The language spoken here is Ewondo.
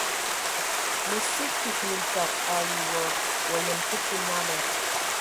Mə sə kig mintag ai wa, wa yəm tə fə nala.